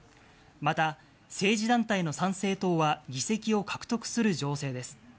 また政治団体の参政党は、議席を獲得する情勢です。